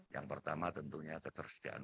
yang pertama tentunya ketersediaan